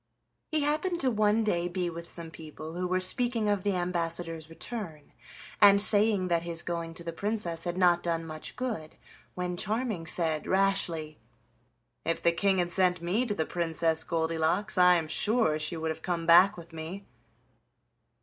He happened to one day be with some people who were speaking of the ambassador's return and saying that his going to the Princess had not done much good, when Charming said rashly: "If the King had sent me to the Princess Goldilocks I am sure she would have come back with me."